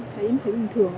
cũng thấy bình thường